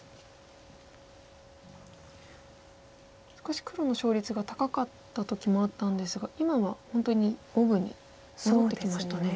少し黒の勝率が高かった時もあったんですが今は本当に五分に戻ってきましたね。